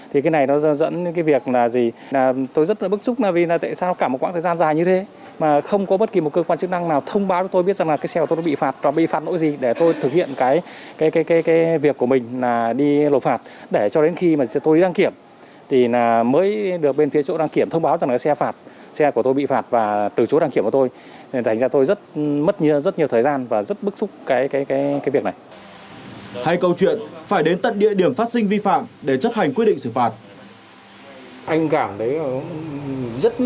hay câu chuyện phải đến tận địa điểm phát sinh vi phạm để chấp hành quyết định sự phạt